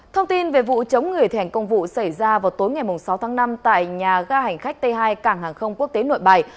thông tin về vụ chống người thi hành công vụ xảy ra vào tối ngày sáu tháng năm tại nhà ga hành khách t hai cảng hàng không quốc tế nội bài